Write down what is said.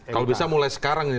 kalau bisa mulai sekarang ini